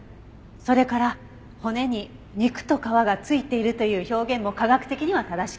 それから「骨に肉と皮がついている」という表現も科学的には正しくない。